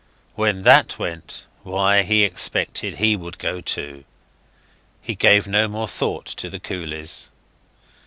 When that went, why, he expected he would go, too. He gave no more thought to the coolies.